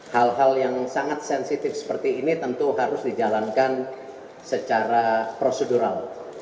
hal hal yang sangat sensitif seperti ini tentu harus dijalankan secara prosedural